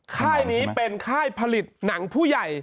ค่ายนี้เป็นค่ายผลิตหนังผู้ใหญ่